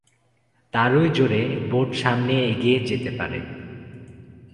তারই জোরে বোট সামনে এগিয়ে যেতে পারে।